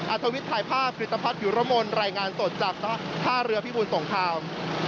ธวิทย์ถ่ายภาพกริตภัทรวิรมลรายงานสดจากท่าเรือพิบูลสงคราม